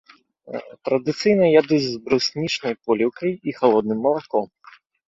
Традыцыйна ядуць з бруснічнай поліўкай і халодным малаком.